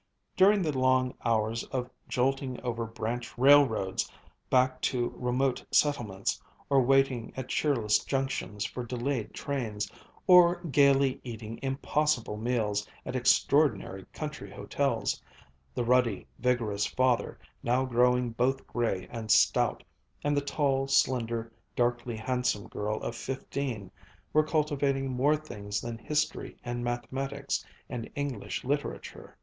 During the long hours of jolting over branch railroads back to remote settlements, or waiting at cheerless junctions for delayed trains, or gaily eating impossible meals at extraordinary country hotels, the ruddy, vigorous father, now growing both gray and stout, and the tall, slender, darkly handsome girl of fifteen, were cultivating more things than history and mathematics and English literature.